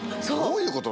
そう！